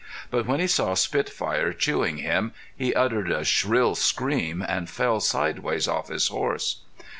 But when he saw Spitfire chewing him he uttered a shrill scream and fell sidewise off his horse.